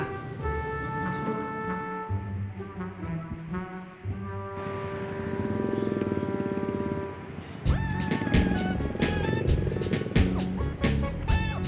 kaki lo tinggi sebelah